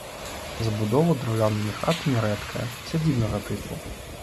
Забудова драўлянымі хатамі, рэдкая, сядзібнага тыпу.